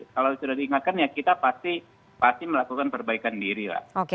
kalau sudah diingatkan ya kita pasti melakukan perbaikan diri lah